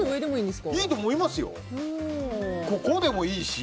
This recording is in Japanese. ここでもいいし。